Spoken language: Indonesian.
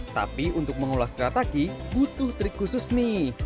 tapi untuk mengolah shirataki butuh trik khusus nih